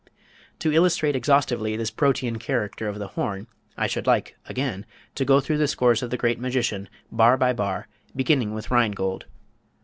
"To illustrate exhaustively this Protean character of the horn, I should like (again!) to go through the scores of the great magician, bar by bar, beginning with 'Rheingold.'